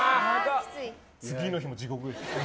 次の日も地獄でした。